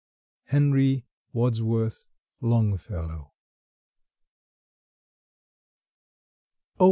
—Henry Wadsworth Longfellow.